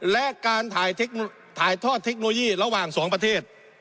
และการถ่ายทอดเทคโนโลยีระหว่างสองประเทศ